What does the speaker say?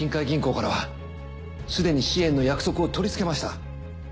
銀行からはすでに支援の約束を取りつけました。